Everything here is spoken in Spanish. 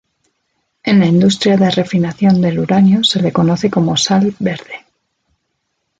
En la industria de refinación del uranio se le conoce como sal verde.